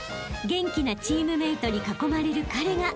元気なチームメートに囲まれる彼が］